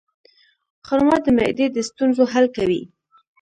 خرما د معدې د ستونزو حل کوي.